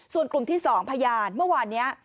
ส่วนกลุ่มที่สองภาญาณเมื่อวานเนี้ย